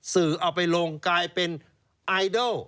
สื่อเอาไปลงกลายเป็นไอดอล